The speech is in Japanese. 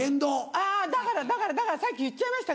あだからだからだからさっき言っちゃいましたけど。